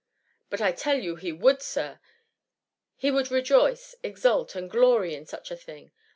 '^But I tell you he would, Sir ! He would rejoice, exult, and glory in such a thing.